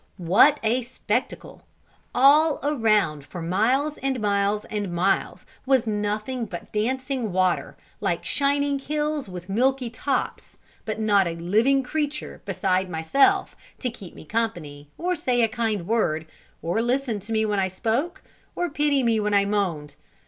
What a spectacle! All around, for miles and miles and miles, was nothing but dancing water, like shining hills with milky tops, but not a living creature beside myself to keep me company, or say a kind word, or listen to me when I spoke, or pity me when I moaned!